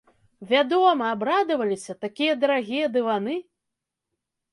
Вядома, абрадаваліся, такія дарагія дываны!